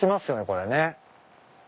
これね。